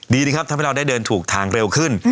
ดีนะครับทำให้เราได้เดินถูกทางเร็วขึ้น